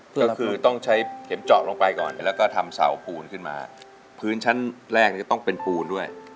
ก็คือต้องใช้เข็มเจาะลงไปก่อนแล้วก็ทำเสาปูนขึ้นมาพื้นชั้นแรกจะต้องเป็นปูนด้วย